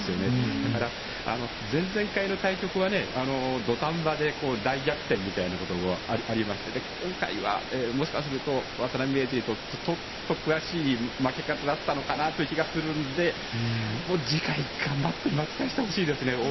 だから、前前回の対局は土壇場で大逆転みたいなことがありまして今回はもしかすると渡辺名人にとって悔しい負け方だったのかなという気がするので次回、頑張って巻き返してほしいですね。